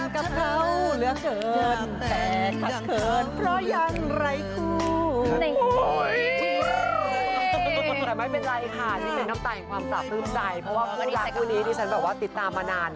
แค่เด็กรับเชิญอยากแต่งกับเขา